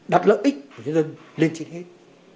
đặt lợi ích của dân dân lên trên hết